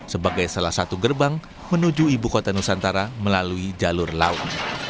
sebagai salah satu gerbang menuju ibu kota nusantara melalui jalur laut